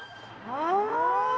ああ。